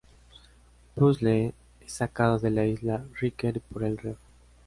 Puzzle es sacado de la Isla Ryker por el Rev.